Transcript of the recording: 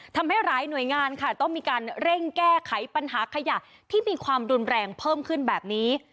ทำให้หลายหน่วยงานค่ะต้องมีการเร่งแก้ไขปัญหาขยะที่มีความรุนแรงเพิ่มขึ้นแบบนี้